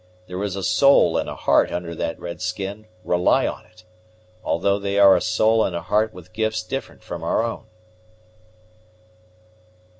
There is a soul and a heart under that red skin, rely on it; although they are a soul and a heart with gifts different from our own."